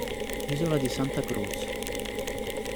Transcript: Isola di Santa Cruz